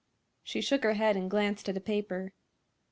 She shook her head and glanced at a paper.